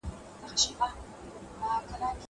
زه هره ورځ کتابونه ليکم!!